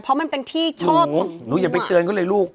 เพราะมันเป็นที่ชอบหนูอย่าไปเตือนเขาเลยลูก